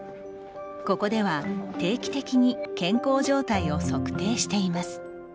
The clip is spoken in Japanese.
ここでは、定期的に健康状態を測定しています。